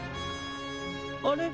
あれ？